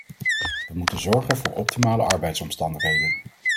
We moeten zorgen voor optimale arbeidsomstandigheden.